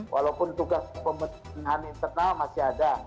walaupun tugas pemerintahan internal masih ada